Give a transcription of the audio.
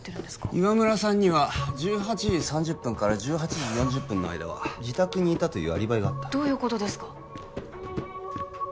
岩村さんには１８時３０分から１８時４０分の間は自宅にいたというアリバイがあったどういうことですか？